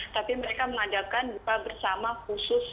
tapi mereka mengadakan buka bersama khusus